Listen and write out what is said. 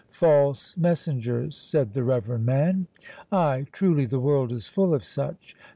— False messengers, said the reverend man?—ay, truly, the world is full of such.